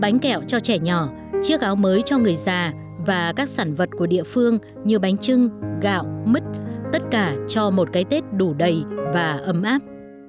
bánh kẹo cho trẻ nhỏ chiếc áo mới cho người già và các sản vật của địa phương như bánh trưng gạo mứt tất cả cho một cái tết đủ đầy và ấm áp